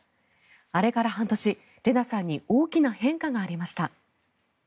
あれから半年、レナさんに大きな変化がありました。